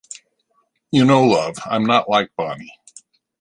You know, love, I’m not like Bonnie.